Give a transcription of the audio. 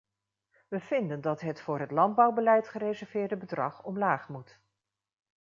We vinden dat het voor het landbouwbeleid gereserveerde bedrag omlaag moet.